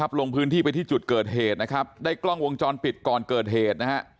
ลงพื้นที่ไปที่จุดเกิดเหตุนะครับได้กล้องวงจรปิดก่อนเกิดเหตุนะฮะ